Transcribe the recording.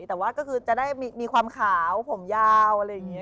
แต่ว่าก็คือจะได้มีความขาวผมยาวอะไรอย่างนี้